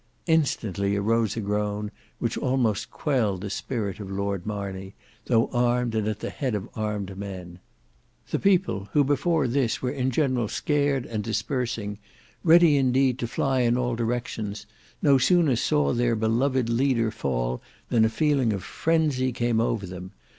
Instantly arose a groan which almost quelled the spirit of Lord Marney, though armed and at the head of armed men. The people who before this were in general scared and dispersing, ready indeed to fly in all directions, no sooner saw their beloved leader fall than a feeling of frenzy came over them.